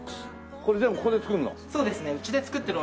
これ全部ここで作るの？